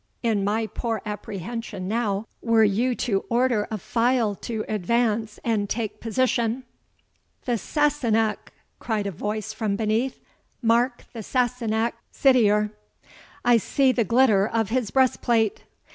In my poor apprehension now, were you to order a file to advance and take position " "The Sassenach!" cried a voice from beneath, "mark the Sassenach sidier! I see the glitter of his breastplate."